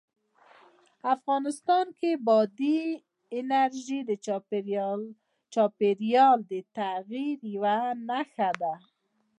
افغانستان کې بادي انرژي د چاپېریال د تغیر یوه نښه ده.